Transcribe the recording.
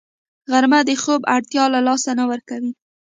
غرمه د خوب اړتیا له لاسه نه ورکوي